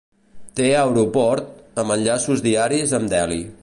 Té aeroport, amb enllaços diaris amb Delhi.